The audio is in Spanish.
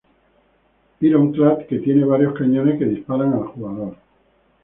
Ironclad, que tiene varios cañones que disparan al jugador.